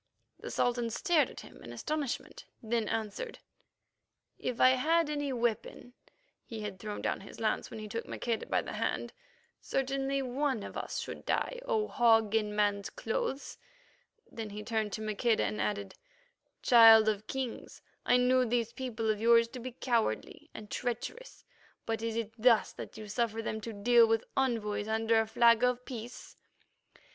The Sultan stared at him in astonishment, then answered: "If I had any weapon (he had thrown down his lance when he took Maqueda by the hand), certainly one of us should die, O Hog in man's clothes." Then he turned to Maqueda and added, "Child of Kings, I knew these people of yours to be cowardly and treacherous, but is it thus that you suffer them to deal with envoys under a flag of peace?"